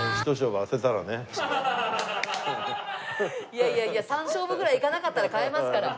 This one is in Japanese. いやいやいや３勝負ぐらい行かなかったら買えますから。